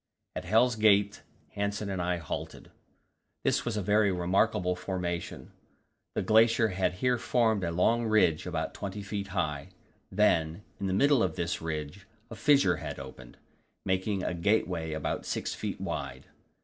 At Hell's Gate Hanssen and I halted. This was a very remarkable formation; the glacier had here formed a long ridge about 20 feet high; then, in the middle of this ridge, a fissure had opened, making a gateway about 6 feet wide.